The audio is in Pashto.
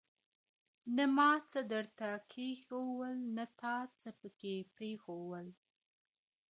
نه ما څه درته کښېښوول، نه تا څه پکښي پرېښوول.